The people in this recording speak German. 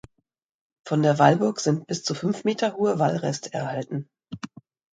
Von der Wallburg sind bis zu fünf Meter hoche Wallreste erhalten.